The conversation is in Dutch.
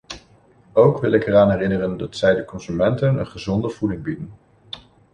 Ook wil ik eraan herinneren dat zij de consumenten een gezonde voeding bieden.